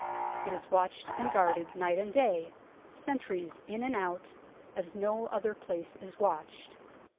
It is watched and guarded night and day, centuries in and out, as no other place is watched.